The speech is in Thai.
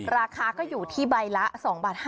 ราคาก็อยู่ที่ใบละ๒บาท๕๐